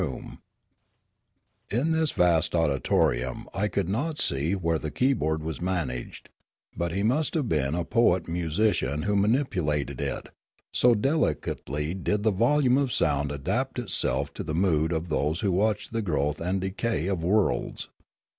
224 Limanora In this vast auditorium I could not see where the key board was managed; but he must have been a poet musician who manipulated it, so delicately did the volume of sound adapt itself to the mood of those who watched the growth and decay of worlds.